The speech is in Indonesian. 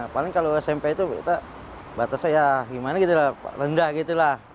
paling kalau smp itu kita batasnya ya gimana gitu lah rendah gitu lah